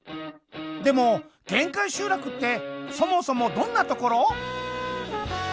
でも限界集落ってそもそもどんなところ？